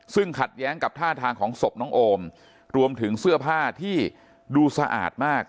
ซึ่งขัดแย้งกับท่าทางของศพน้องโอมรวมถึงเสื้อผ้าที่ดูสะอาดมาก